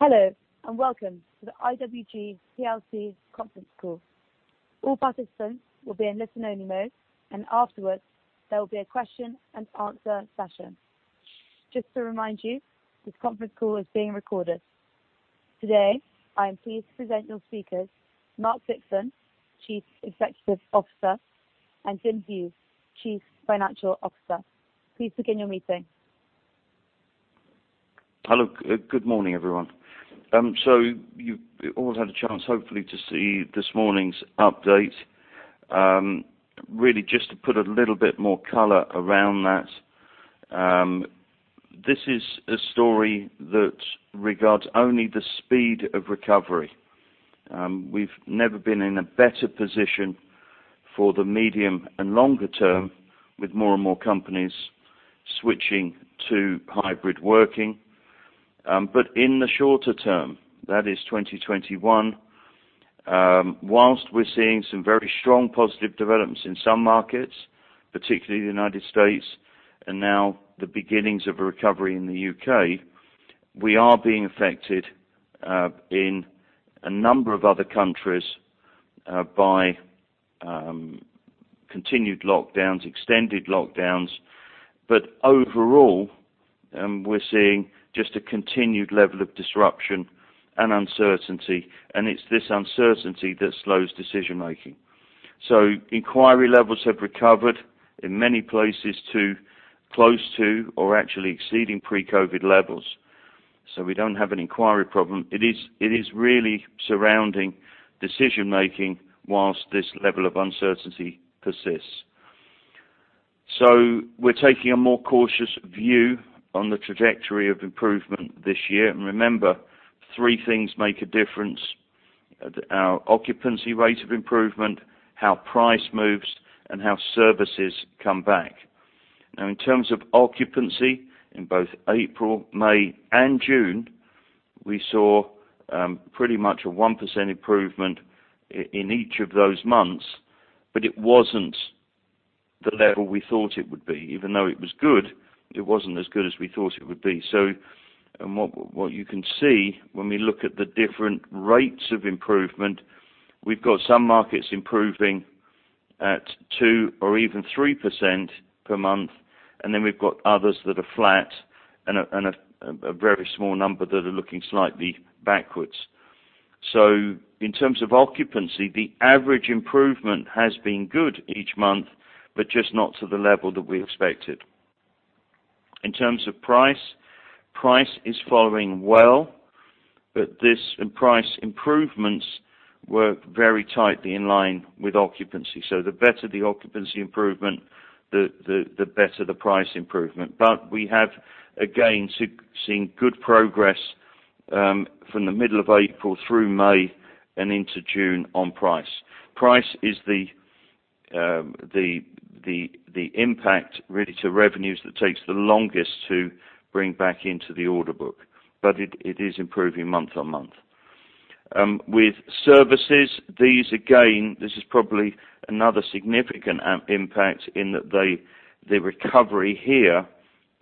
Hello, and welcome to the IWG PLC conference call. All participants will be in listen-only mode, and afterwards there will be a question and answer session. Just to remind you, this conference call is being recorded. Today, I'm pleased to present your speakers, Mark Dixon, Chief Executive Officer, and Glyn Hughes, Chief Financial Officer. Please begin your meeting. Hello. Good morning, everyone. You've all had a chance, hopefully, to see this morning's update. Really just to put a little bit more color around that. This is a story that regards only the speed of recovery. We've never been in a better position for the medium and longer term, with more and more companies switching to hybrid working. In the shorter term, that is 2021, whilst we're seeing some very strong positive developments in some markets, particularly the U.S., and now the beginnings of a recovery in the U.K., we are being affected in a number of other countries by continued lockdowns, extended lockdowns. Overall, we're seeing just a continued level of disruption and uncertainty, and it's this uncertainty that slows decision-making. Inquiry levels have recovered in many places to close to or actually exceeding pre-COVID levels. We don't have an inquiry problem. It is really surrounding decision-making whilst this level of uncertainty persists. We're taking a more cautious view on the trajectory of improvement this year. Remember, three things make a difference. Our occupancy rate of improvement, how price moves, and how services come back. In terms of occupancy, in both April, May, and June, we saw pretty much a 1% improvement in each of those months. It wasn't the level we thought it would be. Even though it was good, it wasn't as good as we thought it would be. What you can see when we look at the different rates of improvement, we've got some markets improving at 2% or even 3% per month, and then we've got others that are flat and a very small number that are looking slightly backwards. In terms of occupancy, the average improvement has been good each month, just not to the level that we expected. In terms of price is following well, this price improvements were very tightly in line with occupancy. The better the occupancy improvement, the better the price improvement. We have, again, seen good progress from the middle of April through May and into June on price. Price is the impact really to revenues that takes the longest to bring back into the order book, but it is improving month on month. With services, these, again, this is probably another significant impact in that the recovery here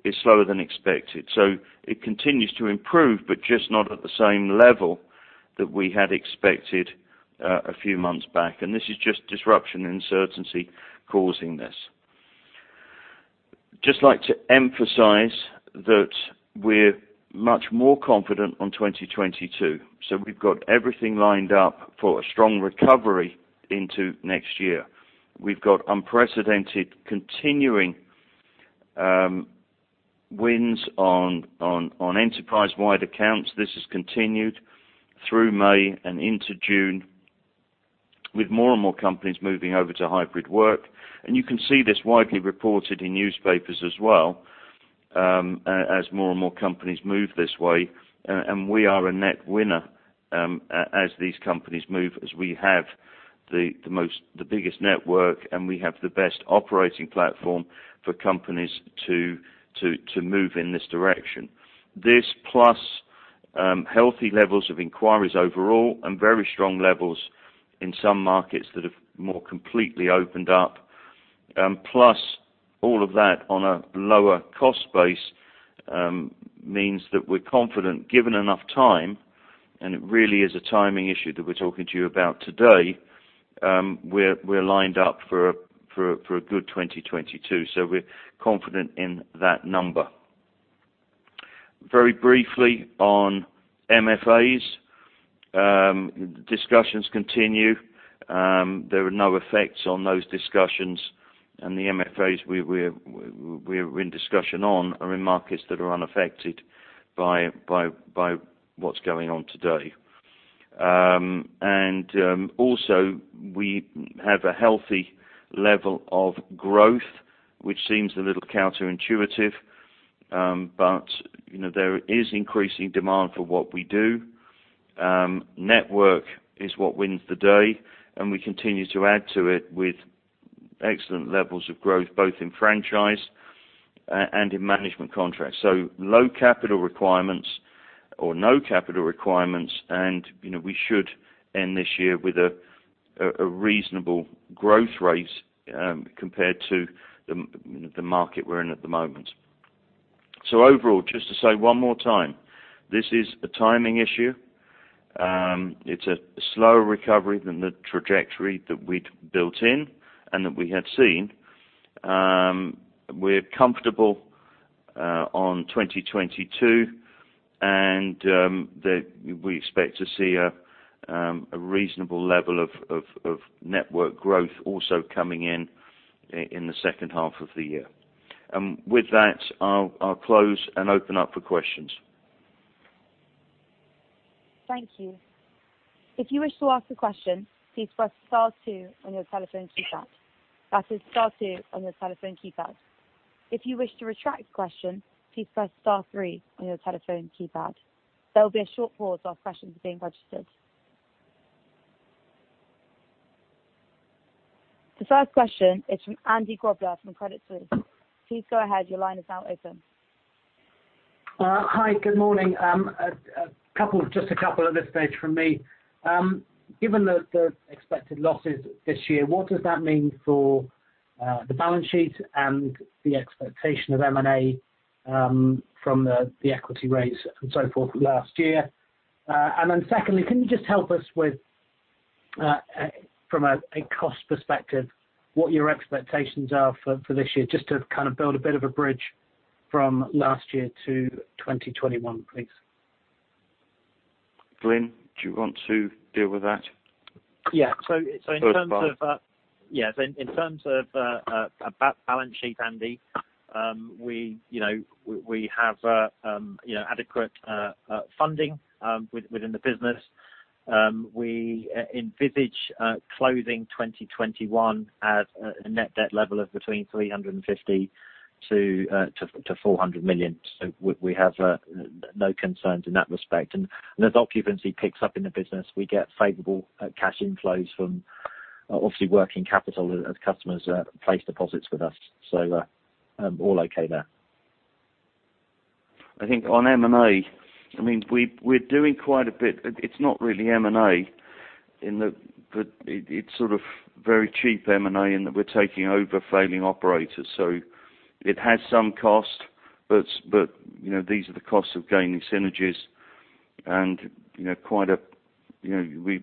is slower than expected. It continues to improve, but just not at the same level that we had expected a few months back. This is just disruption and uncertainty causing this. Just like to emphasize that we're much more confident on 2022. We've got everything lined up for a strong recovery into next year. We've got unprecedented continuing wins on enterprise-wide accounts. This has continued through May and into June with more and more companies moving over to hybrid work. You can see this widely reported in newspapers as well as more and more companies move this way, and we are a net winner as these companies move, as we have the biggest network, and we have the best operating platform for companies to move in this direction. This plus healthy levels of inquiries overall and very strong levels in some markets that have more completely opened up, plus all of that on a lower cost base, means that we're confident given enough time, and it really is a timing issue that we're talking to you about today, we're lined up for a good 2022. We're confident in that number. Very briefly on M&A. Discussions continue. There are no effects on those discussions and the M&A we're in discussion on are in markets that are unaffected by what's going on today. Also we have a healthy level of growth, which seems a little counterintuitive. There is increasing demand for what we do. Network is what wins the day, and we continue to add to it with excellent levels of growth both in franchise and in management contracts. Low capital requirements or no capital requirements. We should end this year with a reasonable growth rate compared to the market we're in at the moment. Overall, just to say one more time, this is a timing issue. It's a slower recovery than the trajectory that we'd built in and that we had seen. We're comfortable on 2022, and that we expect to see a reasonable level of network growth also coming in the H2 of the year. With that, I'll close and open up for questions. Thank you. If you wish to ask a question, please press star two on your telephone keypad. That is star two on your telephone keypad. If you wish to retract a question, please press star three on your telephone keypad. There will be a short pause while questions are being registered. The first question is from Andy Grobler from Credit Suisse. Please go ahead. Your line is now open. Hi. Good morning. Just a couple at this stage from me. Given the expected losses this year, what does that mean for the balance sheet and the expectation of M&A from the equity raise and so forth last year? Secondly, can you just help us with, from a cost perspective, what your expectations are for this year, just to build a bit of a bridge from last year to 2021, please? Glyn, do you want to deal with that? Yeah. Go for it, Glyn. In terms of balance sheet, Andy, we have adequate funding within the business. We envisage closing 2021 at a net debt level of between 350 million-400 million. We have no concerns in that respect. As occupancy picks up in the business, we get favorable cash inflows from obviously working capital as customers place deposits with us. All okay there. I think on M&A, we're doing quite a bit. It's not really M&A, but it's sort of very cheap M&A in that we're taking over failing operators. It has some cost, but these are the costs of gaining synergies and we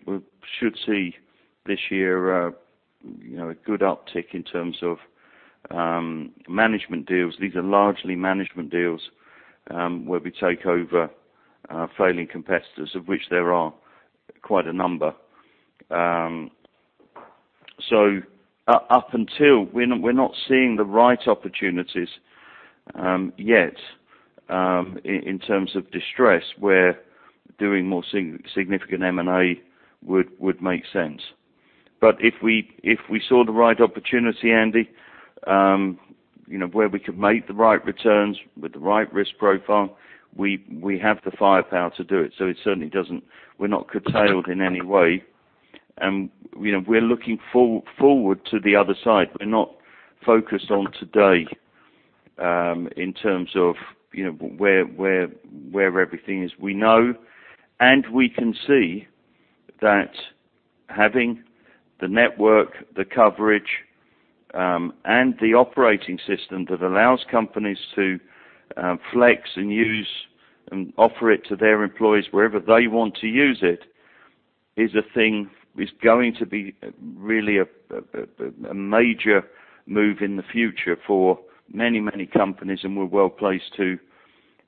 should see this year a good uptick in terms of management deals. These are largely management deals, where we take over failing competitors, of which there are quite a number. Up until, we're not seeing the right opportunities, yet, in terms of distress, where doing more significant M&A would make sense. If we saw the right opportunity, Andy, where we could make the right returns with the right risk profile, we have the firepower to do it. We're not curtailed in any way. We're looking forward to the other side. We're not focused on today, in terms of where everything is. We know and we can see that having the network, the coverage, and the operating system that allows companies to flex and use and offer it to their employees wherever they want to use it, is a thing that's going to be really a major move in the future for many, many companies, and we're well placed to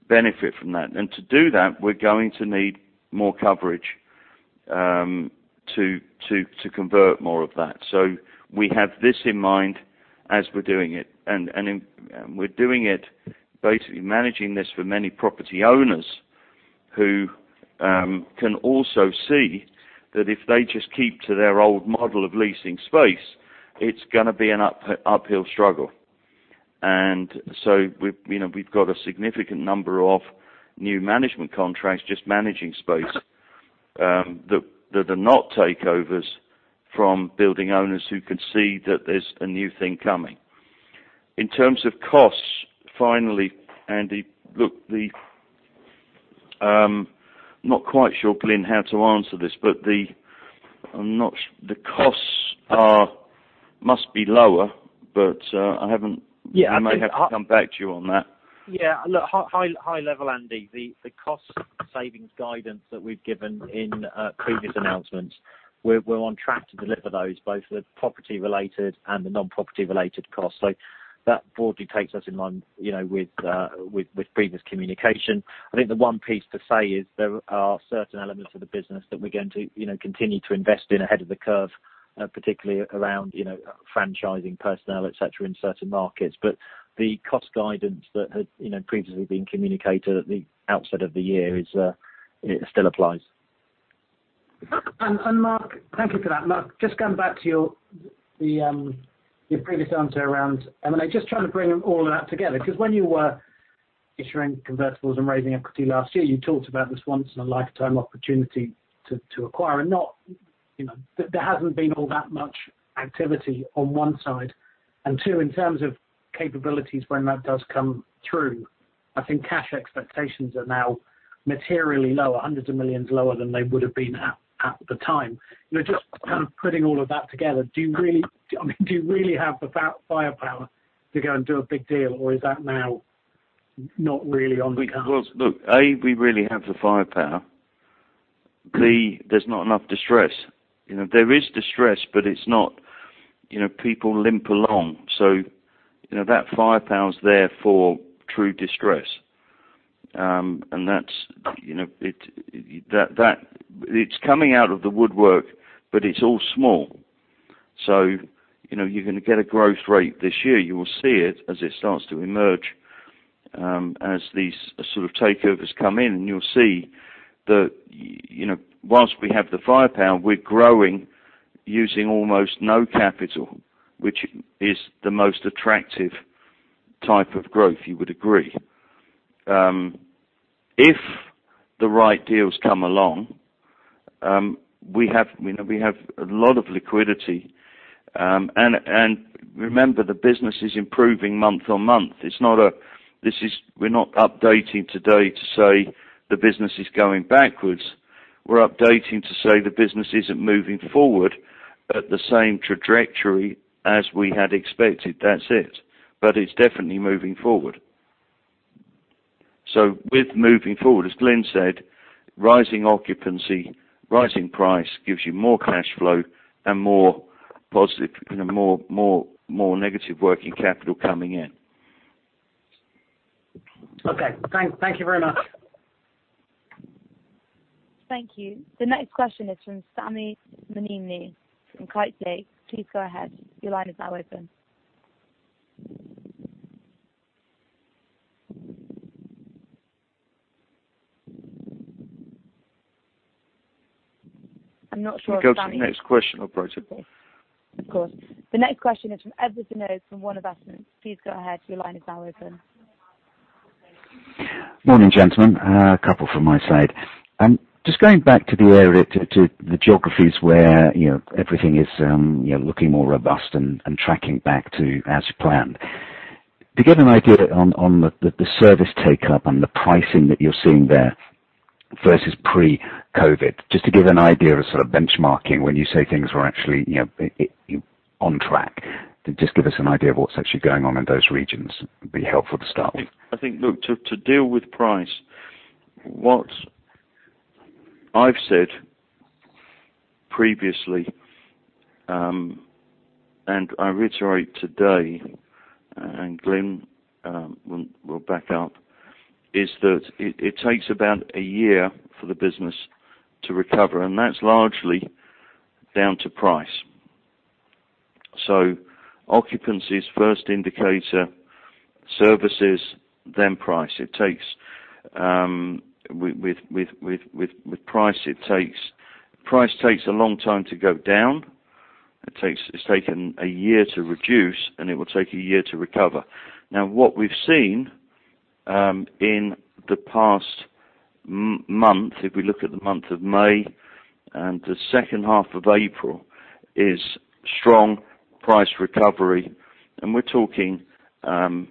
benefit from that. To do that, we're going to need more coverage to convert more of that. We have this in mind as we're doing it. We're doing it, basically managing this for many property owners who can also see that if they just keep to their old model of leasing space, it's going to be an uphill struggle. We've got a significant number of new management contracts, just managing space, that are not takeovers from building owners who can see that there's a new thing coming. In terms of costs, finally, Andy, look, I'm not quite sure, Glyn, how to answer this. The costs must be lower. Yeah I might have to come back to you on that. Yeah. Look, high level, Andy, the cost savings guidance that we've given in previous announcements, we're on track to deliver those, both the property-related and the non-property related costs. That broadly takes us in line with previous communication. I think the one piece to say is there are certain elements of the business that we're going to continue to invest in ahead of the curve, particularly around franchising personnel, etc., in certain markets. The cost guidance that had previously been communicated at the outset of the year, it still applies. Mark, thank you for that. Mark, just going back to your previous answer around M&A, just trying to bring all of that together, because when you were issuing convertibles and raising equity last year, you talked about this once in a lifetime opportunity to acquire and not. There hasn't been all that much activity on one side. Two, in terms of capabilities when that does come through. I think cash expectations are now materially lower, hundreds of millions lower than they would have been at the time. Just putting all of that together, do you really have the firepower to go and do a big deal, or is that now not really on the cards? Look, A, we really have the firepower. B, there's not enough distress. There is distress, people limp along. That firepower is there for true distress. It's coming out of the woodwork, it's all small. You're going to get a growth rate this year. You will see it as it starts to emerge as these sort of takeovers come in, you'll see that once we have the firepower, we're growing using almost no capital, which is the most attractive type of growth, you would agree. If the right deals come along, we have a lot of liquidity. Remember, the business is improving month on month. We're not updating today to say the business is going backwards. We're updating to say the business isn't moving forward at the same trajectory as we had expected. That's it. It's definitely moving forward. With moving forward, as Glyn said, rising occupancy, rising price gives you more cash flow and more negative working capital coming in. Okay. Thank you very much. Thank you. The next question is from Sammy Maalouly from Kepler Cheuvreux. Please go ahead. Your line is now open. Shall we go to the next question operator? Of course. The next question is from Edward Donahue from Ward Investments. Please go ahead. Your line is now open. Morning, gentlemen. A couple from my side. Just going back to the area, to the geographies where everything is looking more robust and tracking back to as you planned. To get an idea on the service take-up and the pricing that you're seeing there versus pre-COVID. Just to give an idea of sort of benchmarking when you say things are actually on track. Just give us an idea of what's actually going on in those regions would be a helpful start. I think, look, to deal with price, what I've said previously, and I reiterate today, and Glyn will back up, is that it takes about a year for the business to recover, and that's largely down to price. Occupancy is first indicator, services, then price. With price it takes a long time to go down. It's taken a year to reduce, and it will take a year to recover. What we've seen in the past month, if we look at the month of May, the H2 of April, is strong price recovery, and we're talking around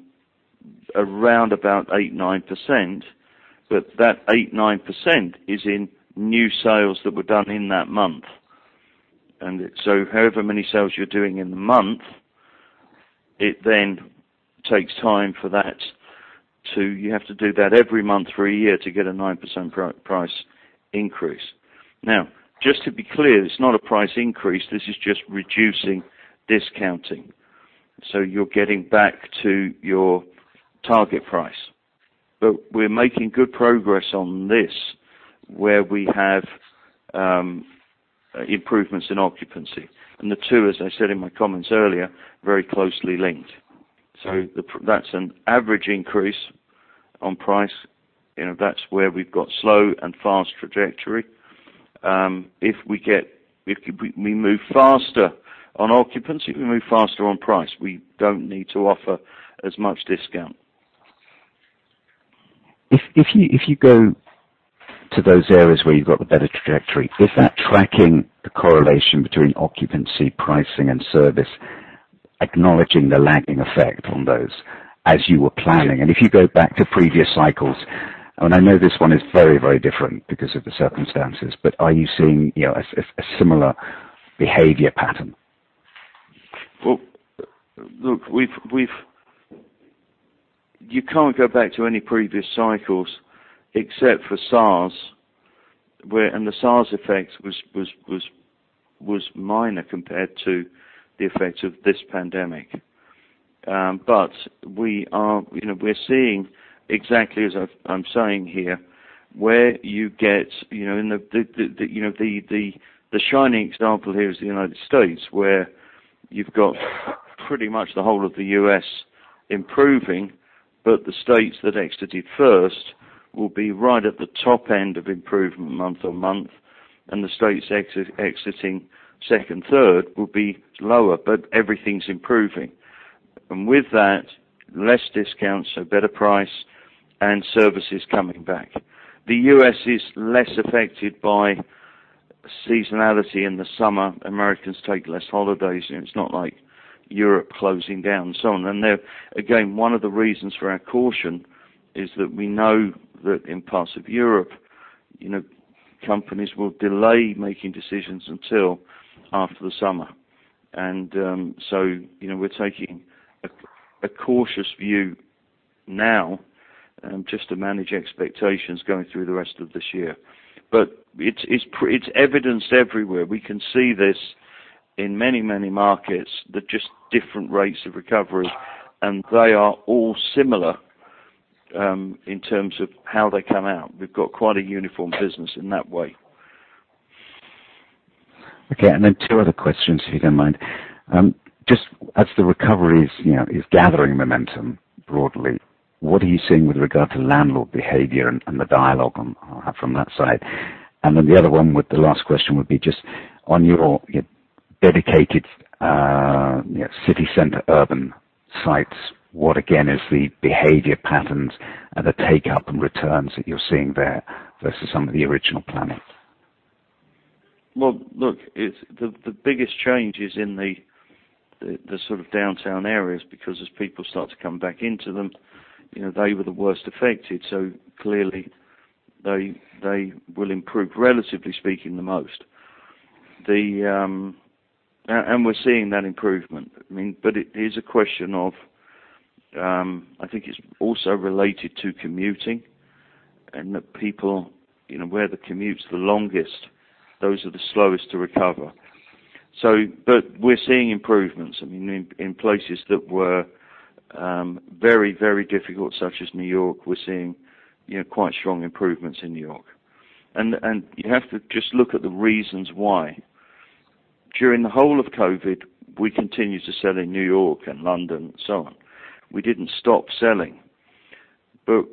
about 8%-9%, but that 8%-9% is in new sales that were done in that month. However many sales you're doing in the month, it then takes time for that, so you have to do that every month for a year to get a 9% price increase. Just to be clear, it's not a price increase, this is just reducing discounting. You're getting back to your target price. We're making good progress on this where we have improvements in occupancy. The two, as I said in my comments earlier, very closely linked. That's an average increase on price. That's where we've got slow and fast trajectory. If we move faster on occupancy, we move faster on price. We don't need to offer as much discount. If you go to those areas where you've got the better trajectory, with that tracking the correlation between occupancy, pricing, and service, acknowledging the lagging effect on those as you were planning. If you go back to previous cycles, and I know this one is very different because of the circumstances, but are you seeing a similar behavior pattern? Well, look, you can't go back to any previous cycles except for SARS, and the SARS effect was minor compared to the effect of this pandemic. We're seeing exactly as I'm saying here, where you get the shining example here is the United States, where you've got pretty much the whole of the U.S. improving, but the states that exited first will be right at the top end of improvement month-on-month, and the states exiting second, third will be lower, but everything's improving. With that, less discount, so better price and services coming back. The U.S. is less affected by seasonality in the summer, Americans take less holidays, and it's not like Europe closing down and so on. There, again, one of the reasons for our caution is that we know that in parts of Europe, companies will delay making decisions until after the summer. We're taking a cautious view now just to manage expectations going through the rest of this year. It's evidenced everywhere. We can see this in many, many markets that just different rates of recovery, and they are all similar in terms of how they come out. We've got quite a uniform business in that way. Okay, two other questions, if you don't mind. Just as the recovery is gathering momentum broadly, what are you seeing with regard to landlord behavior and the dialogue from that side? The other one with the last question would be just on your dedicated city center urban sites, what again is the behavior patterns and the take-up and returns that you're seeing there versus some of the original planning? Well, look, the biggest change is in the sort of downtown areas, because as people start to come back into them, they were the worst affected, so clearly they will improve relatively speaking the most. We're seeing that improvement. It is a question of, I think it's also related to commuting and that people, where the commute's the longest, those are the slowest to recover. We're seeing improvements. In places that were very, very difficult, such as New York, we're seeing quite strong improvements in New York. You have to just look at the reasons why. During the whole of COVID, we continued to sell in New York and London and so on. We didn't stop selling, but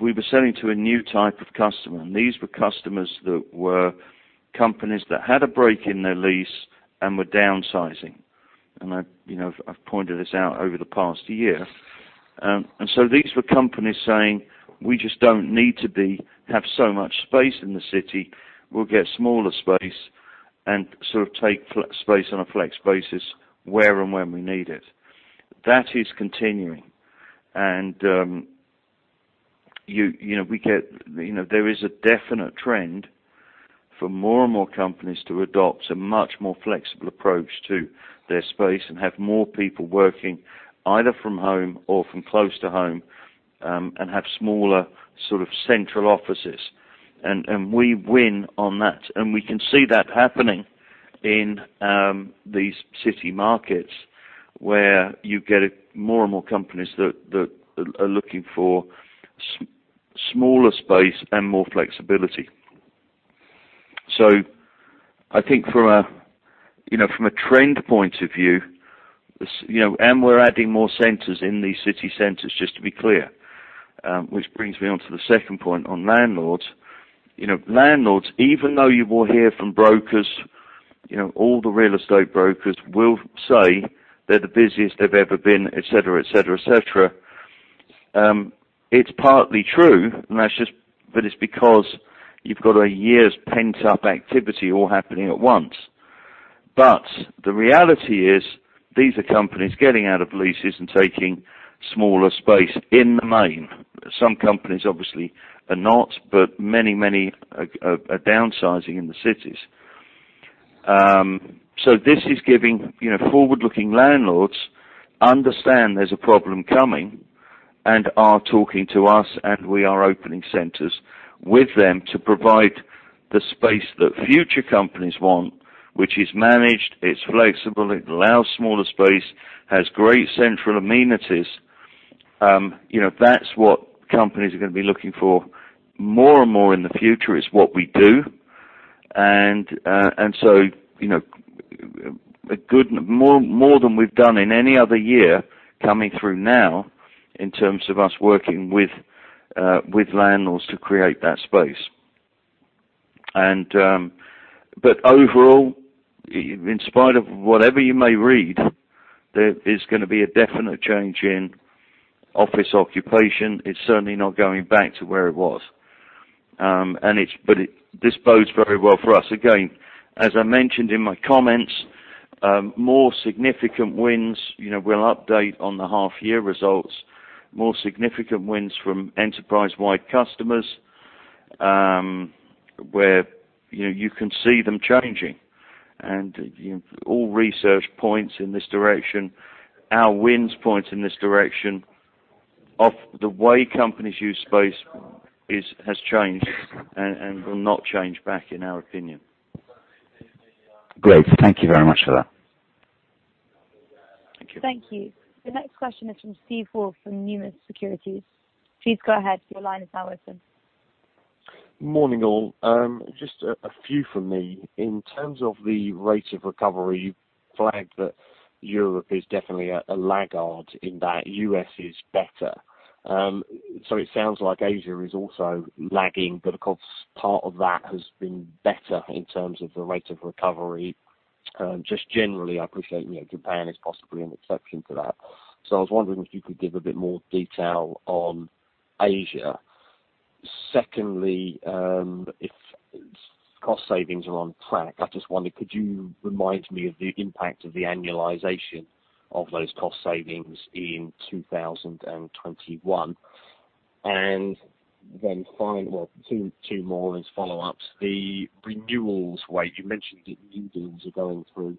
we were selling to a new type of customer, and these were customers that were companies that had a break in their lease and were downsizing. I've pointed this out over the past year. These were companies saying, "We just don't need to have so much space in the city. We'll get smaller space and sort of take space on a flex basis where and when we need it." That is continuing. There is a definite trend for more and more companies to adopt a much more flexible approach to their space and have more people working either from home or from close to home, and have smaller sort of central offices, and we win on that. We can see that happening in these city markets where you get more and more companies that are looking for smaller space and more flexibility. I think from a trend point of view, and we're adding more centers in these city centers, just to be clear. Which brings me onto the second point on landlords. Landlords, even though you will hear from brokers, all the real estate brokers will say they're the busiest they've ever been, et cetera. It's partly true, it's because you've got a year's pent-up activity all happening at once. The reality is these are companies getting out of leases and taking smaller space in the main. Some companies obviously are not, but many are downsizing in the cities. This is giving forward-looking landlords understand there's a problem coming and are talking to us and we are opening centers with them to provide the space that future companies want, which is managed, it's flexible, it allows smaller space, has great central amenities. That's what companies are going to be looking for more and more in the future is what we do. More than we've done in any other year coming through now in terms of us working with landlords to create that space. Overall, in spite of whatever you may read, there is going to be a definite change in office occupation. It's certainly not going back to where it was. It bodes very well for us. Again, as I mentioned in my comments, more significant wins. We'll update on the half-year results, more significant wins from enterprise-wide customers, where you can see them changing and all research points in this direction. Our wins point in this direction of the way companies use space has changed and will not change back in our opinion. Great. Thank you very much for that. Thank you. The next question is from Steve Hall from Numis Securities. Steve, go ahead. Your line is now open. Morning, all. Just a few from me. In terms of the rate of recovery, you flagged that Europe is definitely a laggard in that U.S. is better. It sounds like Asia is also lagging, but of course part of that has been better in terms of the rate of recovery. Just generally, I appreciate Japan is possibly an exception to that. I was wondering if you could give a bit more detail on Asia. Secondly, if cost savings are on track, I just wondered, could you remind me of the impact of the annualization of those cost savings in 2021? Two more as follow-ups. The renewals rate, you mentioned that new deals are going through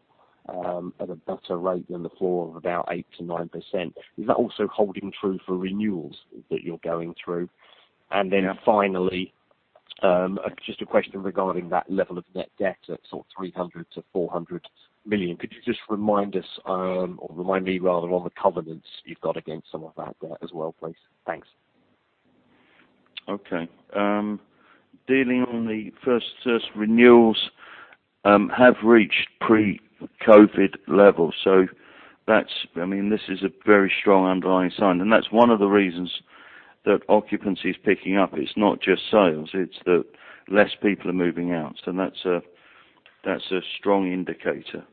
at a better rate than the floor of about 8%-9%. Is that also holding true for renewals that you're going through? Yeah. Finally, just a question regarding that level of net debt at sort of 300 million-400 million. Could you just remind us, or remind me rather, on the covenants you've got against some of that there as well, please? Thanks. Okay. Dealing on the first, renewals have reached pre-COVID levels. This is a very strong underlying sign, and that's one of the reasons that occupancy is picking up. It's not just sales, it's that less people are moving out. That's a strong indicator.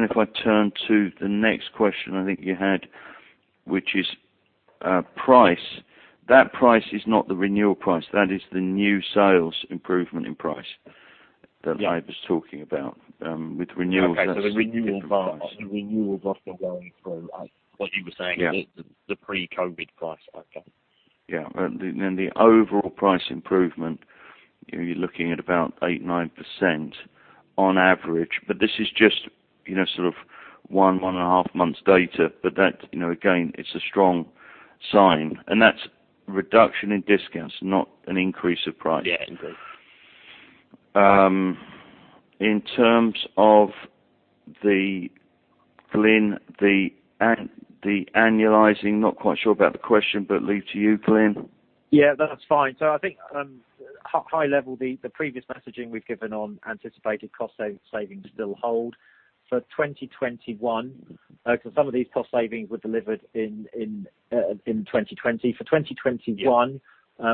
If I turn to the next question I think you had, which is price. That price is not the renewal price. That is the new sales improvement in price. Yeah that I was talking about. With renewals, that's a different price. Okay. The renewals often going through at, what you were saying. Yeah is the pre-COVID price. Okay. Yeah. Then the overall price improvement, you're looking at about 8%, 9% on average. This is just sort of one and a half months data. That, again, it's a strong sign, and that's reduction in discounts, not an increase of price. Yeah, indeed. In terms of the, Glyn, the annualizing, not quite sure about the question, but leave to you, Glyn. Yeah, that's fine. I think, high level, the previous messaging we've given on anticipated cost savings still hold for 2021. Some of these cost savings were delivered in 2020. For 2021. Yeah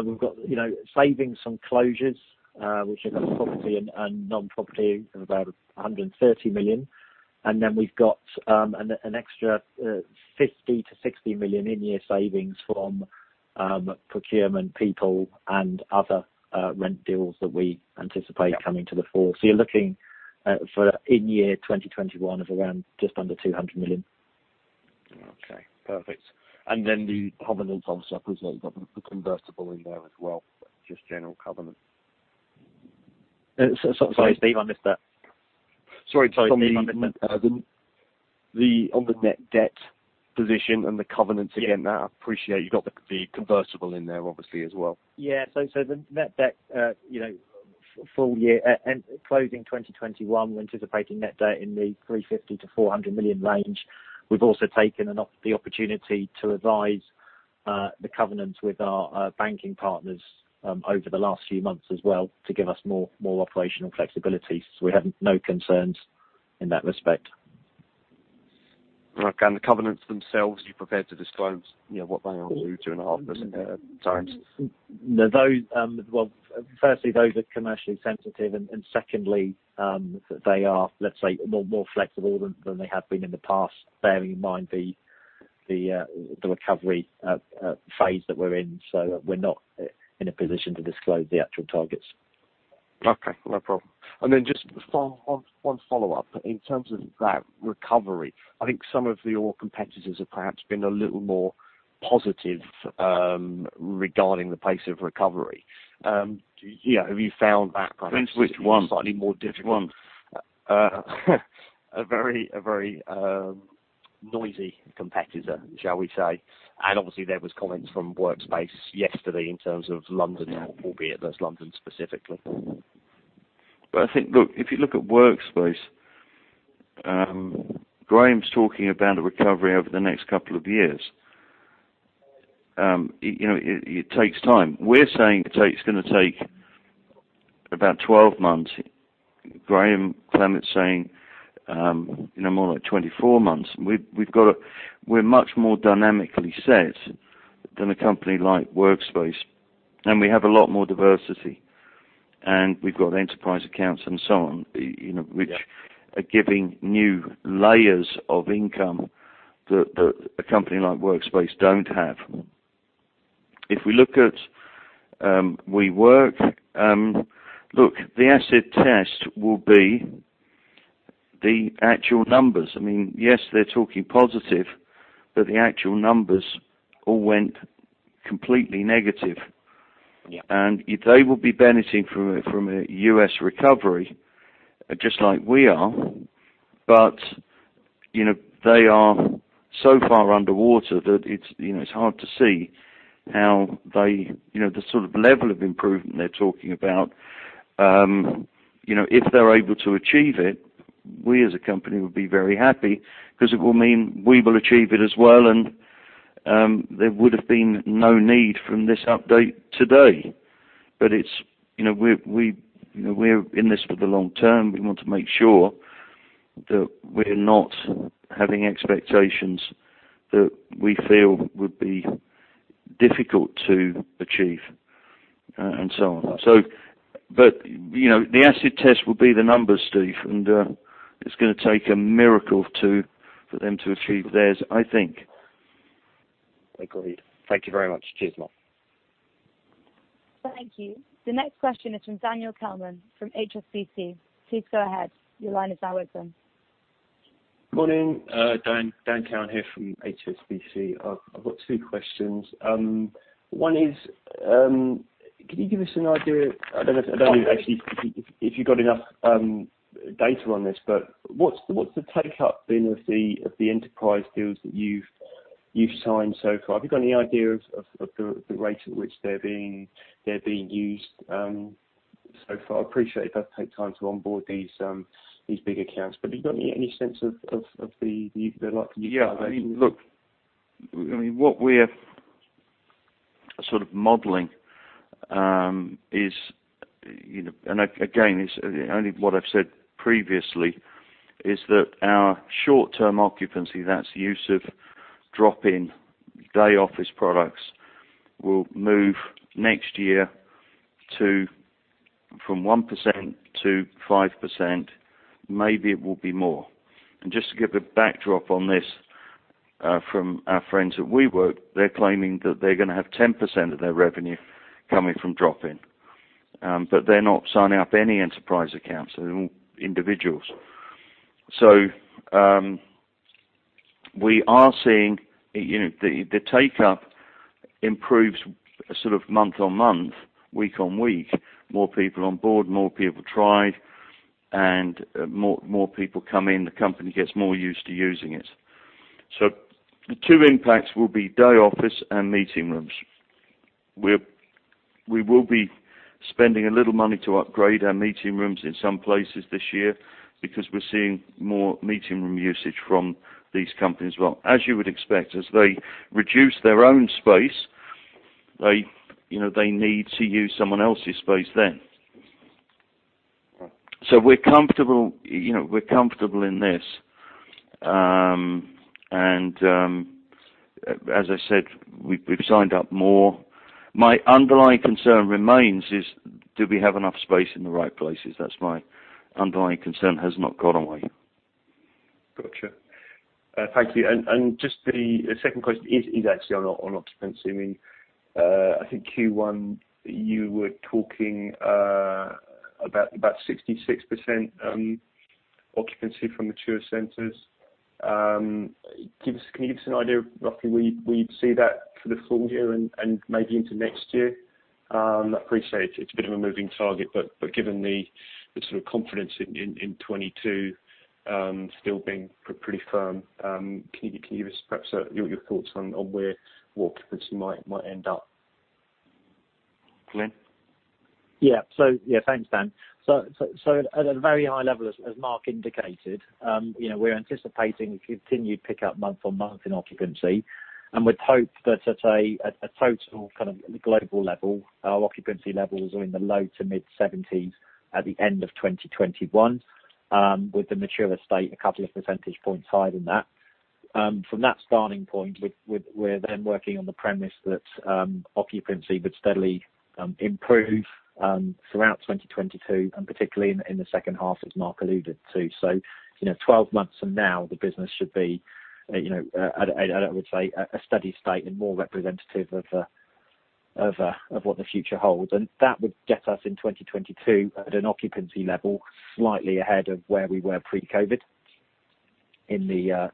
we've got savings from closures, which are kind of property and non-property of about 130 million. Then we've got an extra 50 million-60 million in-year savings from procurement, people, and other rent deals that we anticipate. Yeah coming to the fore. You're looking for in-year 2021 of around just under 200 million. Okay. Perfect. The covenants, obviously, have the convertible in there as well. Just general covenants. Sorry, Steve, I missed that. On the net debt position and the covenants again now, I appreciate you've got the convertible in there obviously as well. The net debt, closing 2021, we're anticipating net debt in the 350 million-400 million range. We've also taken the opportunity to advise the covenants with our banking partners over the last few months as well to give us more operational flexibility. We have no concerns in that respect. Okay. The covenants themselves, are you prepared to disclose what they are, two and a half times? Well, firstly, those are commercially sensitive, and secondly, they are, let's say, more flexible than they have been in the past, bearing in mind the recovery phase that we're in. We're not in a position to disclose the actual targets. Okay. No problem. Just one follow-up. In terms of that recovery, I think some of your competitors have perhaps been a little more positive regarding the pace of recovery. Have you found that perhaps? Which one? slightly more difficult? Which one? A very noisy competitor, shall we say. Obviously there was comments from Workspace yesterday in terms of London- Yeah albeit that's London specifically. I think, look, if you look at Workspace, Graham's talking about a recovery over the next couple of years. It takes time. We're saying it's going to take about 12 months. Graham Clemett's saying more like 24 months. We're much more dynamically set than a company like Workspace, and we have a lot more diversity. We've got enterprise accounts and so on. Yeah which are giving new layers of income that a company like Workspace don't have. If we look at WeWork, look, the acid test will be the actual numbers. Yes, they're talking positive, but the actual numbers all went completely negative. Yeah. They will be benefiting from a U.S. recovery, just like we are. They are so far underwater that it's hard to see the sort of level of improvement they're talking about. If they're able to achieve it, we as a company would be very happy because it will mean we will achieve it as well, and there would have been no need from this update today. We're in this for the long term. We want to make sure that we're not having expectations that we feel would be difficult to achieve. On. The acid test will be the numbers, Steve, and it's going to take a miracle for them to achieve theirs, I think. I agree. Thank you very much. Cheers, Mark. Thank you. The next question is from Daniel Cowan from HSBC. Please go ahead. Morning. Daniel Cowan here from HSBC. I have got two questions. One is, could you give us an idea, I don't know if actually if you have got enough data on this, but what is the take up been of the enterprise deals that you have signed so far? Have you got any idea of the rate at which they are being used so far? Appreciate it does take time to onboard these big accounts. Have you got any sense of the likely- Yeah. Look, what we're sort of modeling is, and again, it's only what I've said previously, is that our short-term occupancy, that's the use of drop-in day office products, will move next year from 1%-5%, maybe it will be more. Just to give a backdrop on this from our friends at WeWork, they're claiming that they're going to have 10% of their revenue coming from drop-in. They're not signing up any enterprise accounts. They're all individuals. We are seeing the take-up improves sort of month on month, week on week. More people on board, more people tried, and more people come in, the company gets more used to using it. The two impacts will be day office and meeting rooms. We will be spending a little money to upgrade our meeting rooms in some places this year because we're seeing more meeting room usage from these companies. As you would expect, as they reduce their own space, they need to use someone else's space then. Right. We're comfortable in this. As I said, we've signed up more. My underlying concern remains is, do we have enough space in the right places? That's my underlying concern, has not gone away. Got you. Thank you. Just the second question is actually on occupancy. I think Q1, you were talking about 66% occupancy from mature centers. Can you give us an idea, roughly, we'd see that for the full year and maybe into next year? I appreciate it's a bit of a moving target, but given the sort of confidence in 2022 still being pretty firm, can you give us perhaps your thoughts on where occupancy might end up? Glyn? Yeah. Thanks, Dan. At a very high level, as Mark Dixon indicated, we're anticipating continued pick-up month-on-month in occupancy, and would hope that at a total kind of global level, our occupancy levels are in the low to mid-70s at the end of 2021, with the mature estate a couple of percentage points higher than that. From that starting point, we're working on the premise that occupancy would steadily improve throughout 2022, and particularly in the H2, as Mark Dixon alluded to. 12 months from now, the business should be at, I would say, a steady state and more representative of what the future holds. That would get us in 2022 at an occupancy level slightly ahead of where we were pre-COVID, in the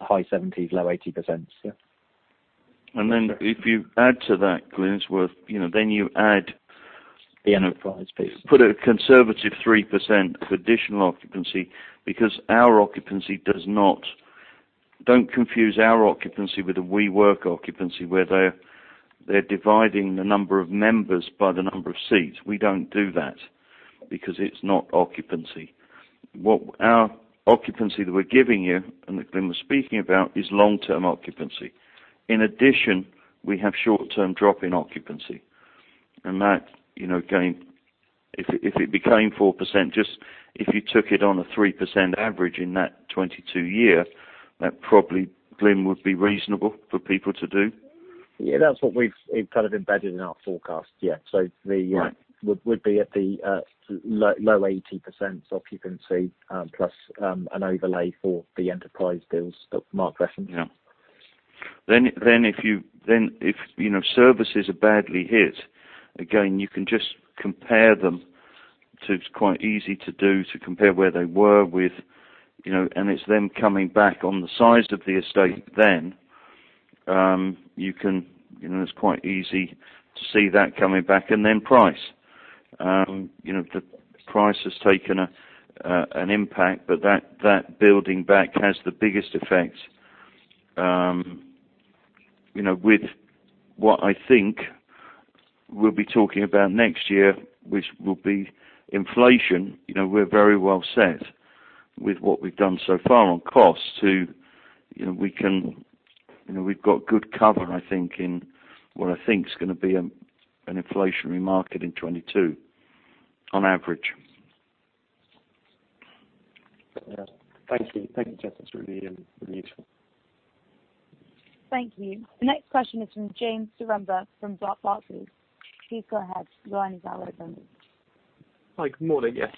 high 70%-low 80%. If you add to that, Glyn, you add. The enterprise piece. Put a conservative 3% of additional occupancy. Don't confuse our occupancy with a WeWork occupancy, where they're dividing the number of members by the number of seats. We don't do that because it's not occupancy. What our occupancy that we're giving you, and that Glyn was speaking about, is long-term occupancy. In addition, we have short-term drop-in occupancy, and that, again, if it became 4%, just if you took it on a 3% average in that 2022 year, that probably, Glyn, would be reasonable for people to do. Yeah, that's what we've kind of embedded in our forecast. Yeah. Right. We would be at the low 80% occupancy, plus an overlay for the enterprise deals that Mark referenced. Yeah. If services are badly hit, again, you can just compare them to, it's quite easy to do, to compare where they were with. It's them coming back on the size of the estate then. It's quite easy to see that coming back, and then price. The price has taken an impact, but that building back has the biggest effect. With what I think we'll be talking about next year, which will be inflation, we're very well set with what we've done so far on costs to, we've got good cover, I think, in what I think is going to be an inflationary market in 2022, on average. Obviously, the payment checklist is really useful. Thank you. The next question is from James Zaremba from Barclays. Please go ahead. The line is now open. Hi. Good morning. Yes.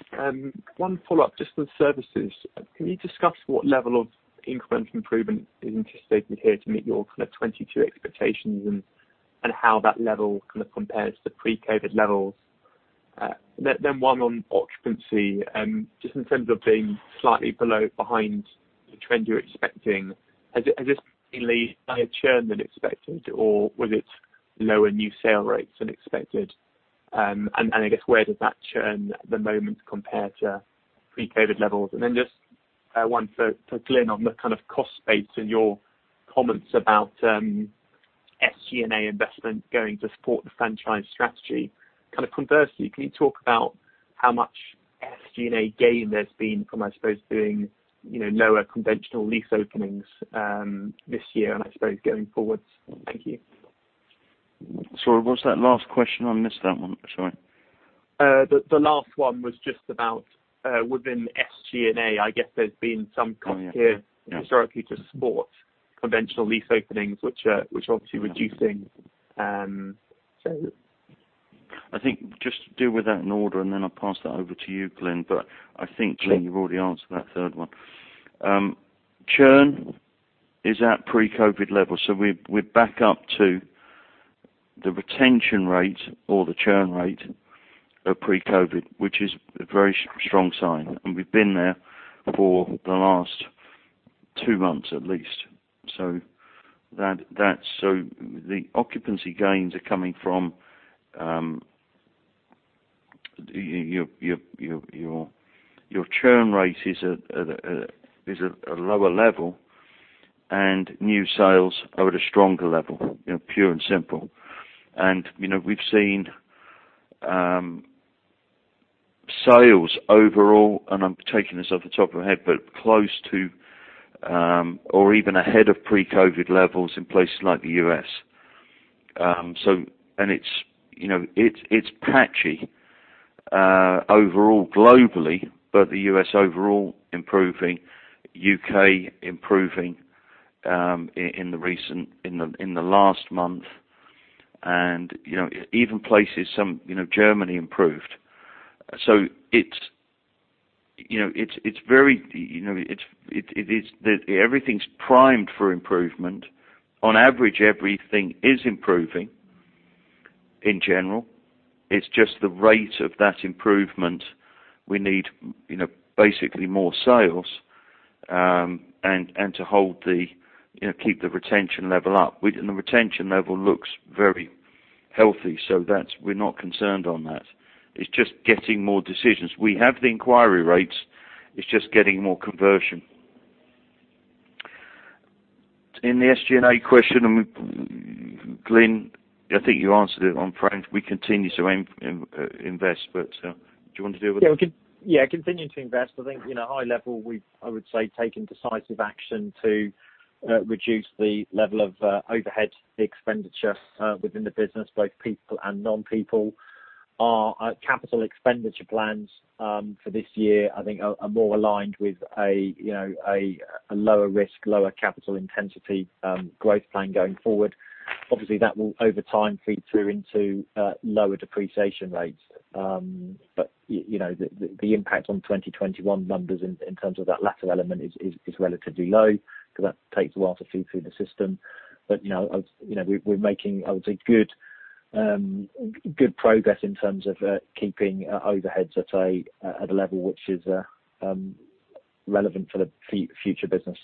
One follow-up just on services. Can you discuss what level of incremental improvement is interested here to meet your kind of 2022 expectations and how that level kind of compares to pre-COVID levels? One on occupancy, just in terms of being slightly below, behind the trend you're expecting, and just mainly higher churn than expected or was it lower new sale rates than expected? I guess where does that churn at the moment compare to pre-COVID levels? Just one for Glyn on the kind of cost base and your comments about SG&A investment going to support the franchise strategy. Kind of conversely, can you talk about how much SG&A gain there's been from, I suppose, doing lower conventional lease openings this year and I suppose going forward? Thank you. Sorry, what was that last question? I missed that one, sorry. The last one was just about within SG&A, I guess there's been some cost here historically to support conventional lease openings, which are obviously reducing. I think just to deal with that in order, then I'll pass that over to you, Glyn, but I think Glyn, you've already answered that third one. Churn is at pre-COVID levels, we're back up to the retention rate or the churn rate at pre-COVID, which is a very strong sign. We've been there for the last two months at least. The occupancy gains are coming from your churn rate is at a lower level, and new sales are at a stronger level, pure and simple. We've seen sales overall, and I'm taking this off the top of my head, but close to or even ahead of pre-COVID levels in places like the U.S. It's patchy overall globally, the U.S. overall improving, U.K. improving in the last month, and even places, Germany improved. Everything's primed for improvement. On average, everything is improving in general. It's just the rate of that improvement we need basically more sales, and to keep the retention level up. The retention level looks very healthy. We're not concerned on that. It's just getting more decisions. We have the inquiry rates. It's just getting more conversion. In the SG&A question, Glyn, I think you answered it. On frankly, we continue to invest. Do you want to deal with that? Continuing to invest. I think at a high level, we've, I would say, taken decisive action to reduce the level of overhead expenditure within the business, both people and non-people. Our capital expenditure plans for this year, I think are more aligned with a lower risk, lower capital intensity growth plan going forward. That will over time feed through into lower depreciation rates. The impact on 2021 numbers in terms of that latter element is relatively low. That takes a while to feed through the system. We're making, I would say, good progress in terms of keeping overheads at a level which is relevant for the future business.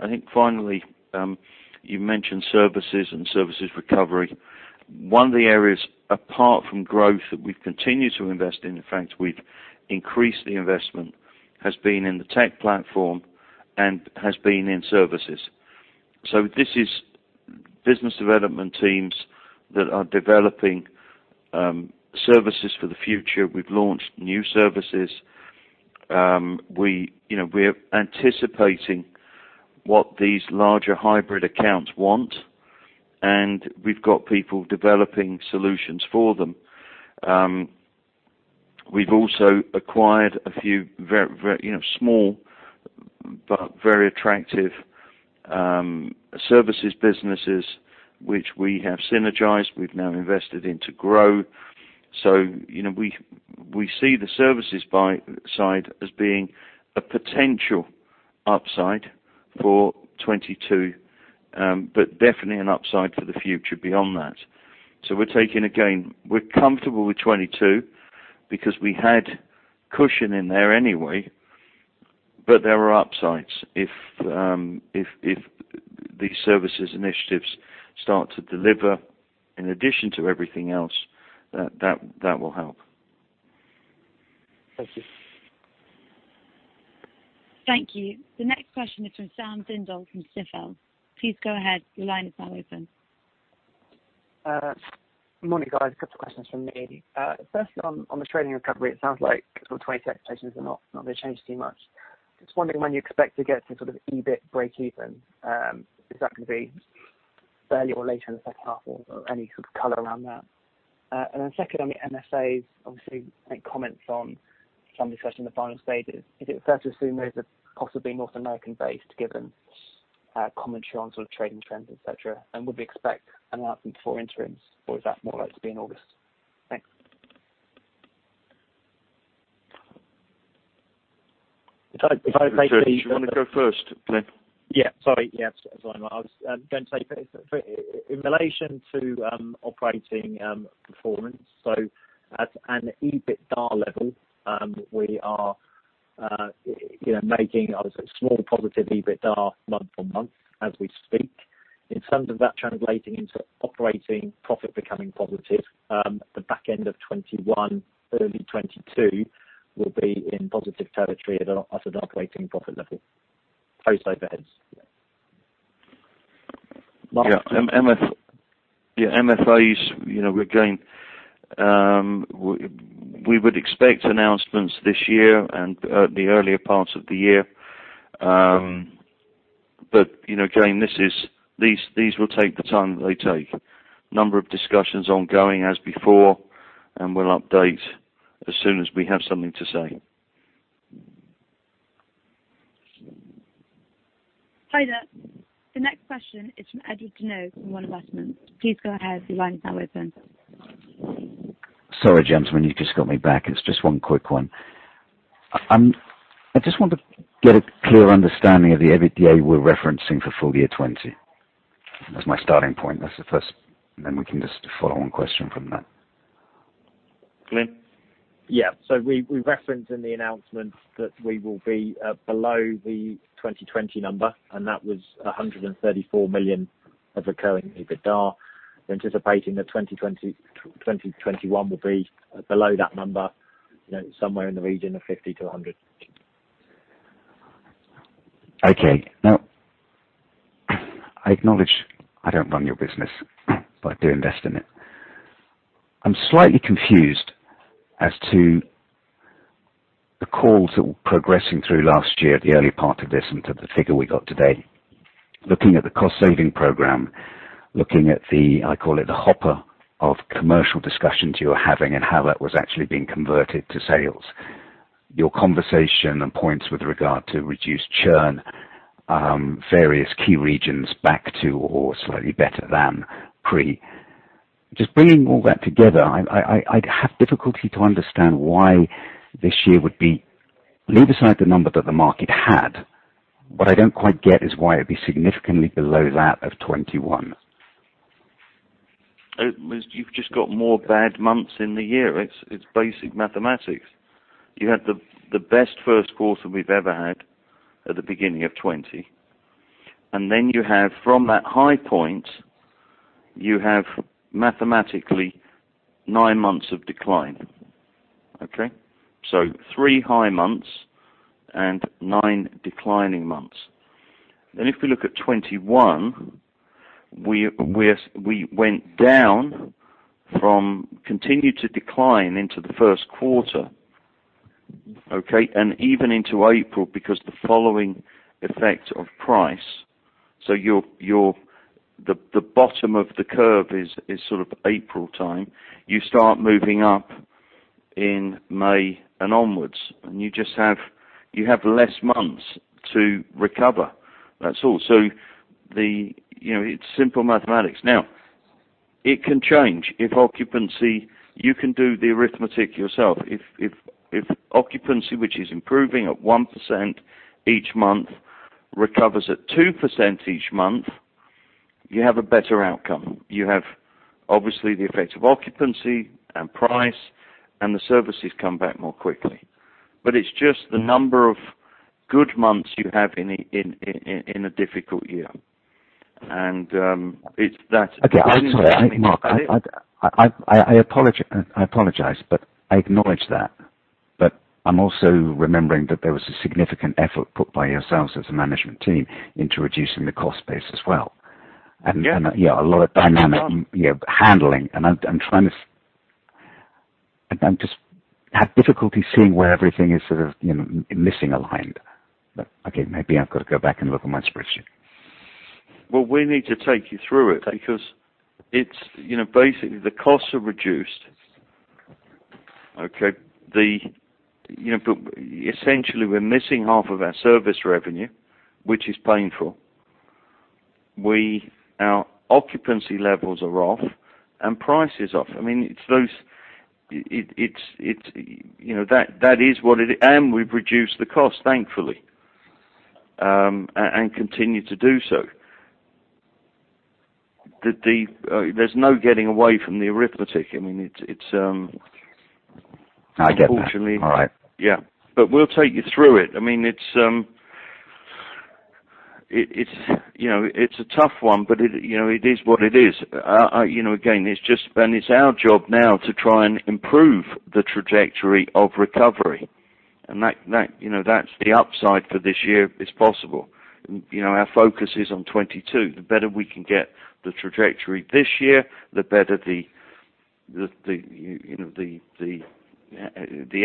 I think finally, you mentioned services and services recovery. One of the areas apart from growth that we've continued to invest in fact, we've increased the investment, has been in the tech platform and has been in services. This is business development teams that are developing services for the future. We've launched new services. We are anticipating what these larger hybrid accounts want, and we've got people developing solutions for them. We've also acquired a few very small but very attractive services businesses which we have synergized, we've now invested in to grow. We see the services side as being a potential upside for 2022, but definitely an upside for the future beyond that. We're taking, again, we're comfortable with 2022 because we had cushion in there anyway, but there are upsides. If these services initiatives start to deliver in addition to everything else, that will help. Thank you. Thank you. The next question is from Sam Dindol from Stifel. Please go ahead. Your line is now open. Morning, guys. Couple questions from me. Firstly, on Australian recovery, it sounds like your price expectations have not been changed too much. Just wondering when you expect to get to sort of EBIT breakeven, if that can be. Early or late in the H2 or any sort of color around that. Second on the M&A, obviously make comments on some discussion in the final stages. Is it fair to assume those are possibly more American-based given common trends or trading trends, et cetera? Would we expect announcement for interims or is that more likely to be in August? Thanks. Okay. Do you want to go first, Glyn? Sorry. I was going to say in relation to operating performance, at an EBITDA level, we are making a small positive EBITDA month-on-month as we speak. In terms of that translating into operating profit becoming positive, the back end of 2021, early 2022 will be in positive territory at an operating profit level post overheads. Yeah. M&A, again, we would expect announcements this year and the earlier part of the year. Again, these will take the time that they take. Number of discussions ongoing as before, and we'll update as soon as we have something to say. Hi there. The next question is from Edward Donahue from Ward Investments. Please go ahead your line is now open. Sorry, gentlemen, you just got me back. It's just one quick one. I just want to get a clear understanding of the EBITDA we're referencing for full year 2020. That's my starting point. That's the first, then we can just follow on question from there. Glyn? Yeah. We referenced in the announcement that we will be below the 2020 number, and that was 134 million of recurring EBITDA, anticipating that 2021 will be below that number, somewhere in the region of 50 million-100 million. I acknowledge I don't run your business, but I do invest in it. I'm slightly confused as to the calls that were progressing through last year, the early part of this, and to the figure we got today. Looking at the cost-saving program, looking at the, I call it the hopper of commercial discussions you were having and how that was actually being converted to sales. Your conversation and points with regard to reduced churn, various key regions back to or slightly better than pre. Bringing all that together, I have difficulty to understand why this year would be. Leave aside the number that the market had. What I don't quite get is why it'd be significantly below that of 2021. You've just got more bad months in the year. It's basic mathematics. You had the best Q1 we've ever had at the beginning of 2020. Then you have from that high point, you have mathematically nine months of decline. Okay? Three high months and nine declining months. If you look at 2021, we went down from continued to decline into the Q1, okay, and even into April because the following effect of price. The bottom of the curve is sort of April time. You start moving up in May and onwards, and you have less months to recover. That's all. It's simple mathematics. Now, it can change. You can do the arithmetic yourself. If occupancy, which is improving at 1% each month, recovers at 2% each month, you have a better outcome. You have obviously the effect of occupancy and price, and the services come back more quickly. It's just the number of good months you have in a difficult year. Okay. I'm sorry. Look, Mark, I apologize, but I acknowledge that, but I'm also remembering that there was a significant effort put by yourselves as a management team into reducing the cost base as well. Yeah. A lot of handling. I just have difficulty seeing where everything is sort of misaligned. Okay, maybe I’ve got to go back and look at my spreadsheet. We need to take you through it because basically the costs are reduced. Okay. Essentially, we're missing half of our service revenue, which is painful. Our occupancy levels are off and price is off. That is what it is, and we've reduced the cost, thankfully, and continue to do so. There's no getting away from the arithmetic. I get that. Right. Yeah. We'll take you through it. It's a tough one, but it is what it is. Again, it's our job now to try and improve the trajectory of recovery, and that's the upside for this year if possible. Our focus is on 2022. The better we can get the trajectory this year, the better the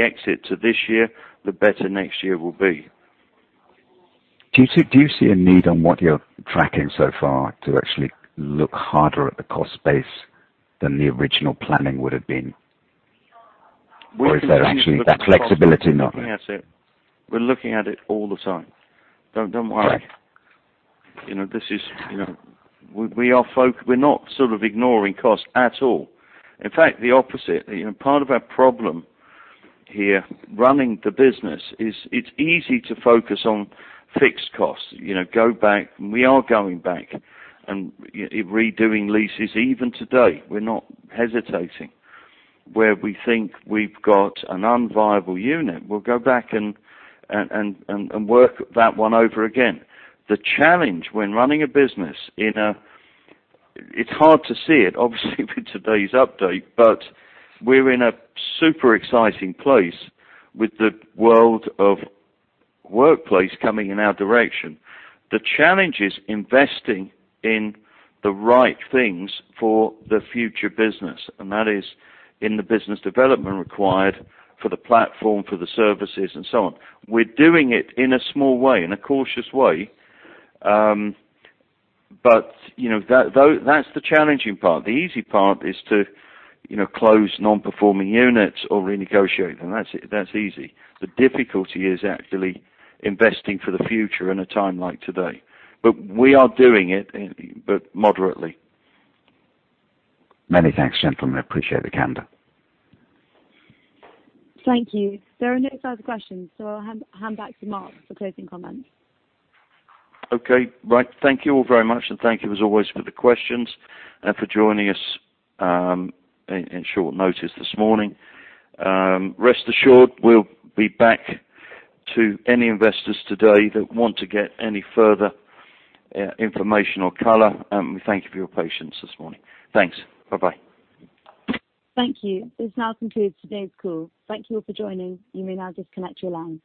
exit to this year, the better next year will be. Do you see a need on what you're tracking so far to actually look harder at the cost base than the original planning would've been? Or is that actually a flexibility now? We're looking at it all the time. Don't worry. We're not ignoring cost at all. In fact, the opposite. Part of our problem here running the business is it's easy to focus on fixed costs. Go back, and we are going back and redoing leases even today. We're not hesitating. Where we think we've got an unviable unit, we'll go back and work that one over again. The challenge when running a business, it's hard to see it obviously with today's update, but we're in a super exciting place with the world of workplace coming in our direction. The challenge is investing in the right things for the future business, and that is in the business development required for the platform, for the services, and so on. We're doing it in a small way, in a cautious way. That's the challenging part. The easy part is to close non-performing units or renegotiate them. That's easy. The difficulty is actually investing for the future in a time like today. We are doing it, but moderately. Many thanks, gentlemen. Appreciate the candor. Thank you. There are no further questions, so I'll hand back to Mark for closing comments. Okay. Right. Thank you all very much, and thank you as always for the questions and for joining us in short notice this morning. Rest assured, we'll be back to any investors today that want to get any further information or color. We thank you for your patience this morning. Thanks. Bye-bye. Thank you. This now concludes today's call. Thank you all for joining. You may now disconnect your lines.